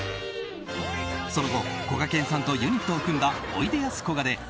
その後、こがけんさんとユニットを組んだおいでやすこがで